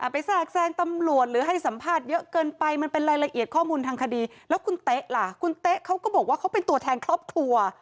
แทรกแทรงตำรวจหรือให้สัมภาษณ์เยอะเกินไปมันเป็นรายละเอียดข้อมูลทางคดีแล้วคุณเต๊ะล่ะคุณเต๊ะเขาก็บอกว่าเขาเป็นตัวแทนครอบครัว